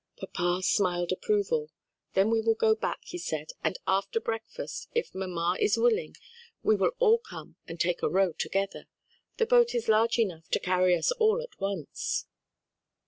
Papa smiled approval. "Then we will go back," he said, "and after breakfast, if mamma is willing, we will all come and take a row together; the boat is large enough to carry us all at once."